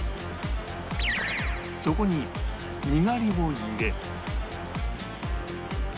そこににがりを入れ